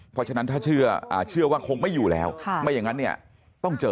เพราะฉะนั้นถ้าเชื่อว่าคงไม่อยู่แล้วไม่อย่างนั้นเนี่ยต้องเจอ